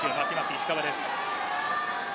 石川です。